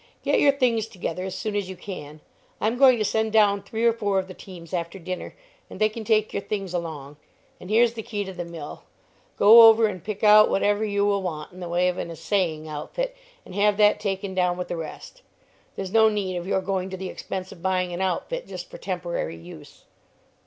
"Get your things together as soon as you can. I'm going to send down three or four of the teams after dinner, and they can take your things along. And here's the key to the mill; go over and pick out whatever you will want in the way of an assaying outfit, and have that taken down with the rest. There's no need of your going to the expense of buying an outfit just for temporary use."